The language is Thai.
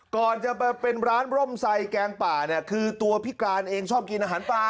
ก่อนจะมาเป็นร้านร่มไซแกงป่าเนี่ยคือตัวพิการเองชอบกินอาหารปลา